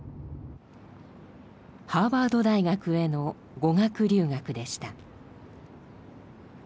ハーバード大学への語学留学でした。